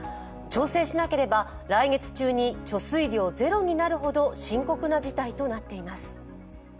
調整しなければ来月中に貯水量ゼロとなるほど深刻な事態となっています。